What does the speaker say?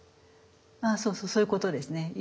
あそうそうそういうことですね。